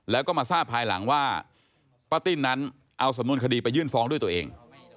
แล้วก็มาทราบภายหลังว่าป้าติ้นนั้นเอาสำนวนคดีไปยื่นฟ้องด้วยตัวเอง